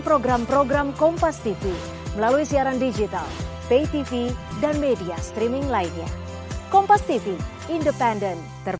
selanjutnya saya persilakan kalau masih ada pertanyaan